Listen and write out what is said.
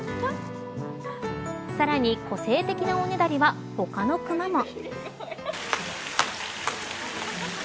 さらに個性的なおねだりは他のクマも。